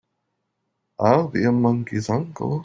I'll be a monkey's uncle!